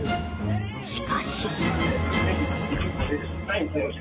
しかし。